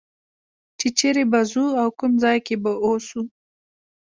چې چېرې به ځو او کوم ځای کې به اوسو.